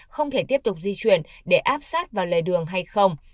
không thể tiếp tục di chuyển để áp sát vào lề đường hay không